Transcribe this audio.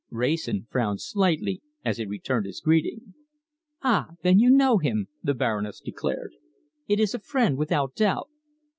Wrayson frowned slightly as he returned his greeting. "Ah, then, you know him," the Baroness declared. "It is a friend, without doubt."